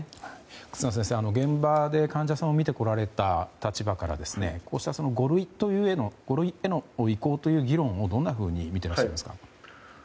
忽那先生、現場で患者さんを診てこられた立場からこうした五類への移行という議論をどんなふうに見ていらっしゃいますか。